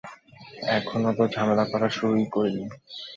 এখনও তো ঝামেলা করা শুরুই করিনি।